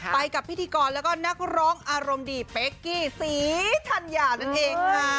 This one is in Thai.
ไปกับพิธีกรแล้วก็นักร้องอารมณ์ดีเป๊กกี้ศรีธัญญานั่นเองค่ะ